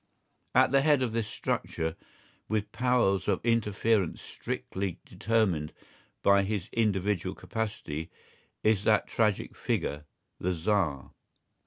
At the head of this structure, with powers of interference strictly determined by his individual capacity, is that tragic figure, the Tsar.